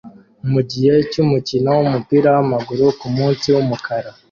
mugihe cyumukino wumupira wamaguru kumunsi wumukara